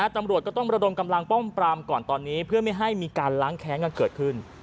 ตำรวจก็ต้องระดมกำลังป้อมปรามก่อนตอนนี้เพื่อไม่ให้มีการล้างแค้นกันเกิดขึ้น